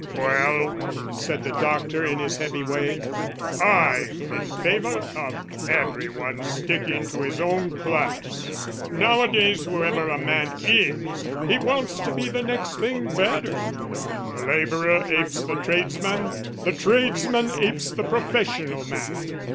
"Well," said the doctor, in his heavy way, "I'm in favour of every one sticking to his own class. Nowadays, whoever a man is he wants to be the next thing better; the labourer apes the tradesman, the tradesman apes the professional man."